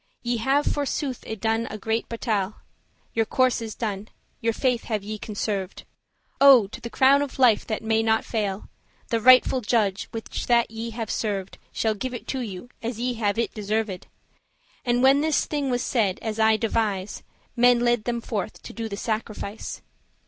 Ye have forsooth y done a great battaile, Your course is done, your faith have ye conserved; <14> O to the crown of life that may not fail; The rightful Judge, which that ye have served Shall give it you, as ye have it deserved." And when this thing was said, as I devise,* relate Men led them forth to do the sacrifice.